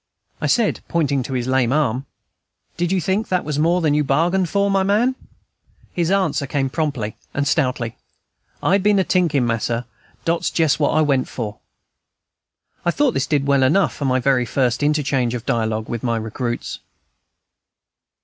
I said, pointing to his lame arm, "Did you think that was more than you bargained for, my man?" His answer came promptly and stoutly, "I been a tinking, Mas'r, dot's jess what I went for." I thought this did well enough for my very first interchange of dialogue with my recruits.